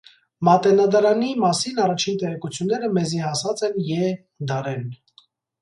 Մատենադարանին մասին առաջին տեղեկութիւնները մեզի հասած են Ե. դարէն։